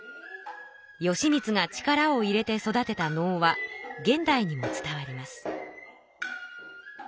義満が力を入れて育てた能は現代にも伝わります。